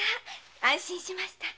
安心しました。